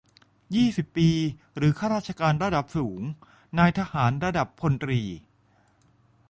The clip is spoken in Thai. ยี่สิบ ปี หรือ ข้าราชการระดับสูง นายทหารระดับพลตรี